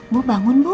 bu bangun bu